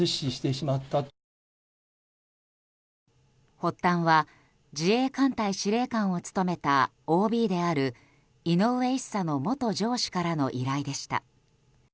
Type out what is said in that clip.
発端は自衛艦隊司令官を務めたＯＢである井上１佐の元上司からの依頼でした。